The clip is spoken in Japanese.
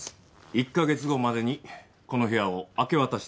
１カ月後までにこの部屋を明け渡してください。